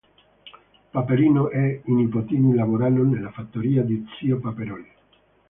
Paperino e i nipotini lavorano nella fattoria di zio Paperone.